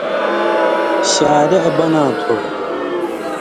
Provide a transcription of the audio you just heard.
شارِع بناں تھو۔